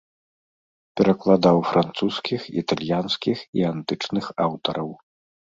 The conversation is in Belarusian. Перакладаў французскіх, італьянскіх і антычных аўтараў.